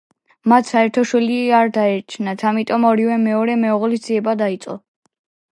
მათ საერთო შვილი არ დარჩენიათ, ამიტომაც ორივემ მეორე მეუღლის ძიება დაიწყო.